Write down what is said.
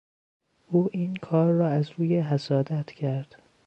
او این کار را از روی حسادت کرد.